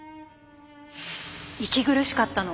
息苦しかったの。